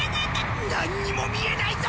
なんにも見えないぞ！